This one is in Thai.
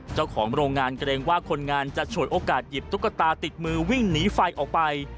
เจ้าของโรงงานเกรงว่าคนงานจะฉวยโอกาสหยิบตุ๊กตาติดมือวิ่งหนีไฟออกไป